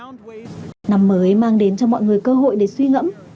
năm mới mang đến cho mọi người cơ hội để suy ngẫm